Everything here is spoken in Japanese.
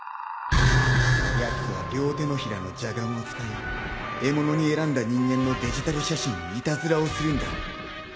やつは両手のひらの邪眼を使い獲物に選んだ人間のデジタル写真にいたずらをするんだ。